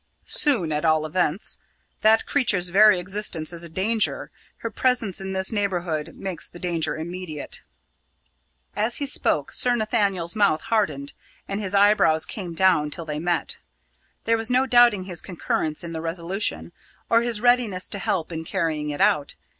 "Soon, at all events. That creature's very existence is a danger. Her presence in this neighbourhood makes the danger immediate." As he spoke, Sir Nathaniel's mouth hardened and his eyebrows came down till they met. There was no doubting his concurrence in the resolution, or his readiness to help in carrying it out.